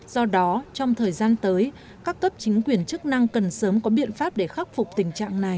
do đó trong thời gian tới các cấp chính quyền chức năng cần sớm có biện pháp để khắc phục tình trạng này